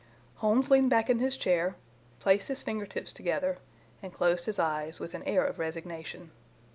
Holmes leaned back in his chair, placed his finger tips together, and closed his eyes, with an air of resignation.